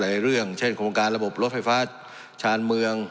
เรื่องเช่นโครงการระบบรถไฟฟ้าชาญเมือง